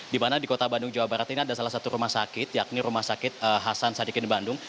di mana di kota bandung jawa barat ini ada salah satu rumah sakit yakni rumah sakit hasan sadikin bandung